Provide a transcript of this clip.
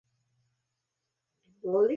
ড্রাইভারের কি দোষ ছিল?